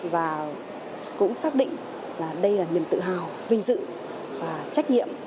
và cũng xác định là đây là niềm tự hào vinh dự và trách nhiệm